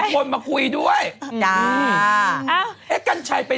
พรุ่งนี้ถามคุณหนุ่มอีกที